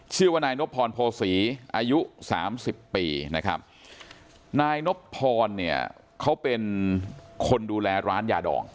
ชื่อว่านายนบพรโภษีอายุสามสิบปีนะครับนายนบพรเนี่ยเขาเป็นคนดูแลร้านยาดอง